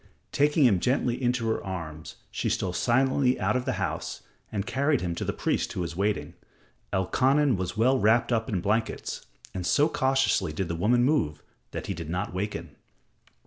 Taking him gently in her arms, she stole silently out of the house and carried him to the priest who was waiting. Elkanan was well wrapped up in blankets, and so cautiously did the woman move that he did not waken.